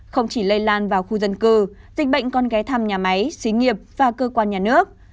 không chỉ lây lan vào khu dân cư dịch bệnh còn ghé thăm nhà máy xí nghiệp và cơ quan nhà nước